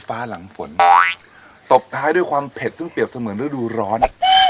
หลังฝนตบท้ายด้วยความเผ็ดซึ่งเปรียบเสมือนฤดูร้อน